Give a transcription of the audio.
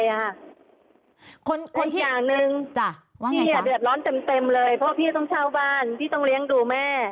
คนอย่างหนึ่งพี่เดือดร้อนเต็มเลยเพราะพี่ต้องเช่าบ้านพี่ต้องเลี้ยงดูแม่